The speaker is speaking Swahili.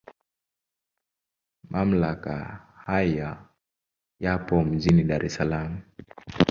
Mamlaka haya yapo mjini Dar es Salaam.